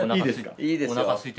いいですか？